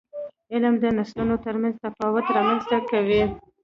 علم د نسلونو ترمنځ تفاهم رامنځته کوي.